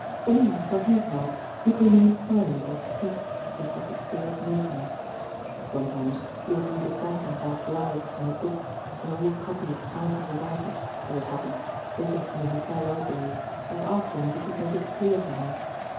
Fenella, for her part, would remain silent or speak, just as the spirit moved her. Sometimes she would read a sentence out loud from her book ; an old copy of "Sartor Resartus" as it happened, taken from the hotel library, and ask him if he could make it clear for her.